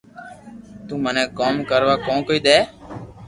تو مني ڪوم ڪروا ڪون ڪئي دي